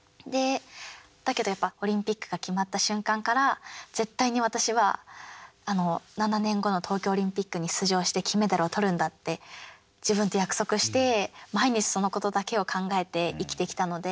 だけど、やっぱオリンピックが決まった瞬間から絶対に私は７年後の東京オリンピックに出場して金メダルを取るんだって自分と約束して毎日そのことだけを考えて生きてきたので。